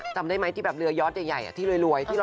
จำได้ไหมที่เรือยอดใหญ่ที่รวยที่รออ่ะ